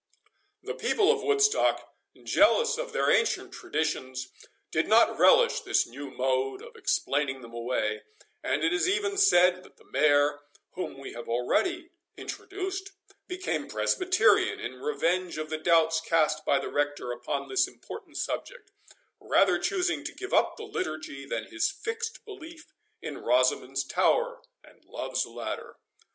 The people of Woodstock, jealous of their ancient traditions, did not relish this new mode of explaining them away; and it is even said, that the Mayor, whom we have already introduced, became Presbyterian, in revenge of the doubts cast by the rector upon this important subject, rather choosing to give up the Liturgy than his fixed belief in Rosamond's Tower, and Love's Ladder.